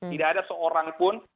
tidak ada seorang pun